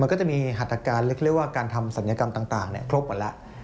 ก็จะมีหัตการเรียกว่าการทำศัลยกรรมต่างครบหมดแล้ว